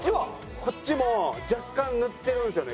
こっちも若干塗ってるんですよね。